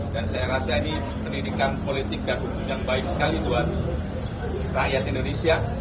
dan saya rasa ini pendidikan politik dan hukum yang baik sekali buat rakyat indonesia